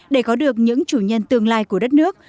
để có được những chủ nhân tương lai của đất nước